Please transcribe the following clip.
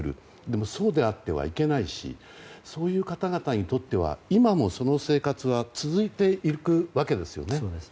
でも、そうであってはいけないしそういう方々にとっては今も、その生活は続いていくわけですよね。